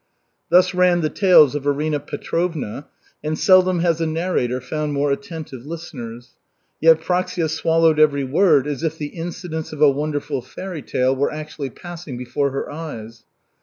Thus ran the tales of Arina Petrovna, and seldom has a narrator found more attentive listeners. Yevpraksia swallowed every word as if the incidents of a wonderful fairy tale were actually passing before her eyes.